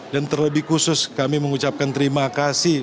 dan terlebih khusus kami mengucapkan terima kasih